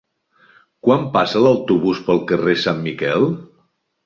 Quan passa l'autobús pel carrer Sant Miquel?